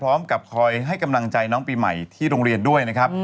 พร้อมกับคอยให้กำลังใจน้องปีใหม่ที่โรงเรียนด้วยนะครับ